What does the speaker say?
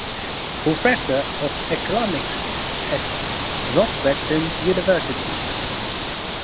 Professor of economics at Northwestern University.